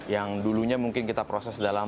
yang dulunya mungkin kita proses dalam